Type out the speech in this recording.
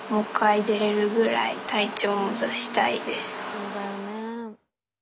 そうだよね。